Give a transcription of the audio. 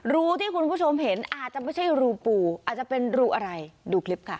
รูที่คุณผู้ชมเห็นอาจจะไม่ใช่รูปูอาจจะเป็นรูอะไรดูคลิปค่ะ